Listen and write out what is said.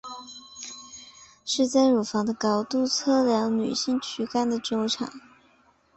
是在乳房的高度测量女性躯干的周长。